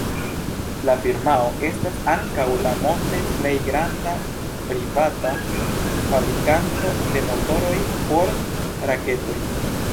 La firmao estas ankaŭ la monde plej granda privata fabrikanto de motoroj por raketoj.